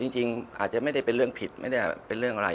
จริงอาจจะไม่ได้เป็นเรื่องผิดไม่ได้เป็นเรื่องอะไร